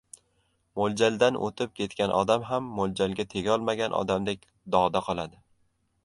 Mo‘ljaldan o‘tib ketgan odam ham mo‘ljalga tegolmagan odamdek dog‘da qoladi.